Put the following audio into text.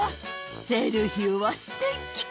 セルヒオはすてき。